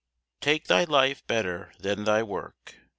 Take thy life better than thy work.